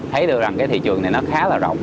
thấy được rằng cái thị trường này nó khá là rộng